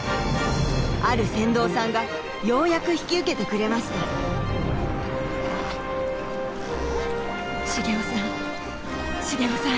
ある船頭さんがようやく引き受けてくれました繁雄さん繁雄さん。